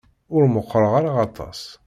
Ur meqqṛeɣ ara aṭas.